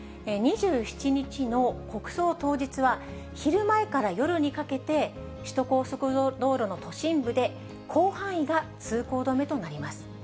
２７日の国葬当日は、昼前から夜にかけて、首都高速道路の都心部で広範囲が通行止めとなります。